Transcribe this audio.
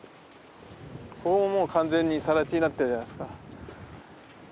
ここももう完全にさら地になってるじゃないですか。